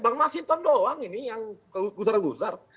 bang mas hinton doang ini yang gusar gusar